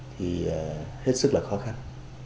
thì hết sức là khó khăn